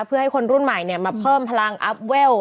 เพื่อให้คนรุ่นใหม่มาเพิ่มพลังอัพเวล